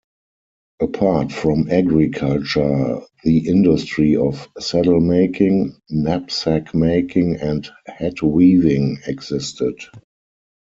Apart from agriculture, the industry of saddle-making, knapsack-making and hat-weaving existed.